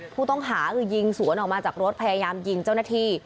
ผู้ต้องหาคือยิงสวนออกมาจากรถพยายามยิงเจ้าหน้าที่